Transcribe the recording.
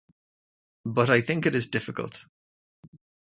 But I think it is difficult.